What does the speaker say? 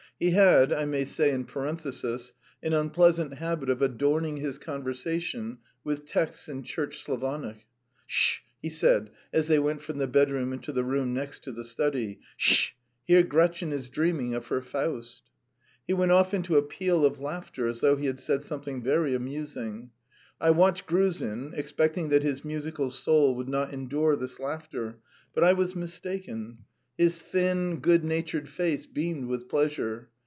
He had, I may say in parenthesis, an unpleasant habit of adorning his conversation with texts in Church Slavonic. "Sh sh!" he said as they went from the bedroom into the room next to the study. "Sh sh! Here Gretchen is dreaming of her Faust." He went off into a peal of laughter as though he had said something very amusing. I watched Gruzin, expecting that his musical soul would not endure this laughter, but I was mistaken. His thin, good natured face beamed with pleasure.